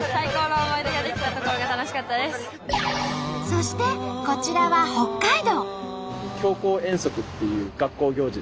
そしてこちらは北海道。